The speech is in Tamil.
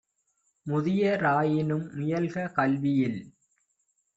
முதிய ராயினும் முயல்க கல்வியில்!